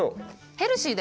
ヘルシーだよね。